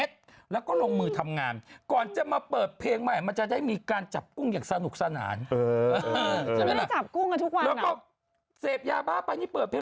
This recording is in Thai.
สนุกสนานเออเออเออไม่ได้จับกุ้งกันทุกวันแล้วก็เสพยาบ้าไปนี่เปิดเพลง